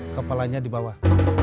kepalanya di bawah